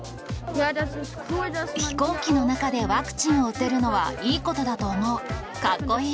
飛行機の中でワクチンを打てるのはいいことだと思う。